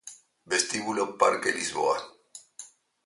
Vestíbulo Parque Lisboa